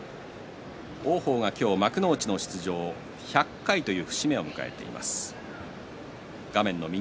王鵬は今日、幕内の出場１００回という節目を迎えています。